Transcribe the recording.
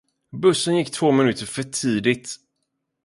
Bussen gick två minuter för tidigt!